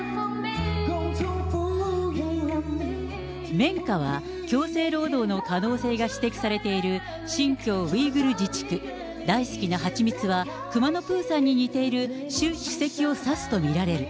綿花は強制労働の可能性が指摘されている、新疆ウイグル自治区、大好きな蜂蜜はくまのプーさんに似ている習主席を指すと見られる。